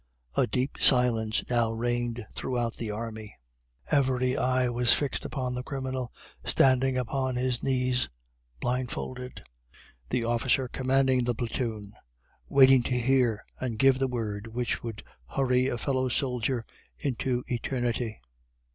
A deep silence now reigned throughout the army every eye was fixed upon the criminal, standing upon his knees blindfolded the officer commanding the platoon waiting to hear and give the word which would hurry a fellow soldier into eternity.